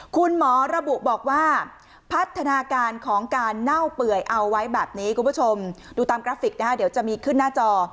คุณหมอระบุบอกว่าพัฒนาการของการเน่าเปื่อยเอาไว้แบบนี้คุณผู้ชมดูตามกราฟิกนะคะเดี๋ยวจะมีขึ้นหน้าจอ